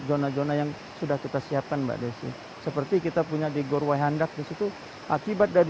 zona zona yang sudah kita siapkan mbak desi seperti kita punya di gorway handak disitu akibat dari